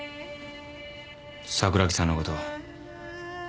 桜木さんのこと。